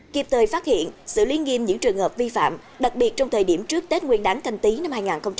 kịp thời phát hiện xử lý nghiêm những trường hợp vi phạm đặc biệt trong thời điểm trước tết nguyên đáng canh tí năm hai nghìn hai mươi